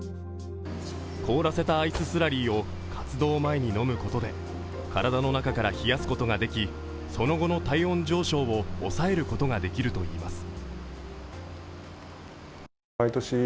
凍らせたアイススラリーを活動前に飲むことで体の中から冷やすことができその後の体温上昇を抑えることができるといいます。